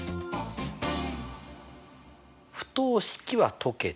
不等式は解けた。